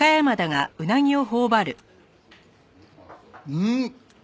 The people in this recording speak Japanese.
うん！